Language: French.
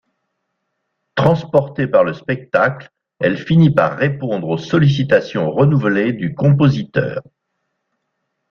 Transportée par le spectacle, elle finit par répondre aux sollicitations renouvelées du compositeur.